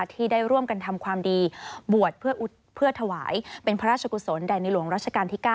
ที่ได้ร่วมกันทำความดีบวชเพื่อถวายเป็นพระราชกุศลแด่ในหลวงรัชกาลที่๙